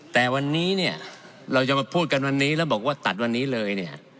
แต่วันนี้เนี่ยเราจะมาพูดกันวันนี้แล้วบอกว่าตัดวันนี้เลยเนี่ย